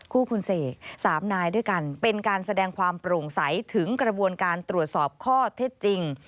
คู่คุณเสก๓นายด้วยกันเป็นการแสดงความโปร่งใสถึงกระบวนการตรวจสอบข้อเท็จจริง